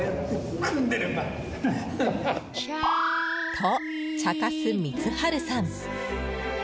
と、茶化す満治さん。